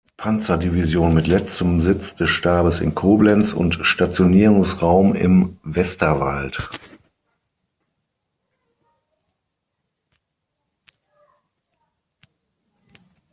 Panzerdivision mit letztem Sitz des Stabes in Koblenz und Stationierungsraum im Westerwald.